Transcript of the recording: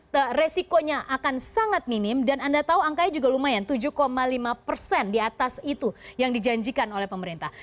dan resikonya akan sangat minim dan anda tahu angkanya juga lumayan tujuh lima persen di atas itu yang dijanjikan oleh pemerintah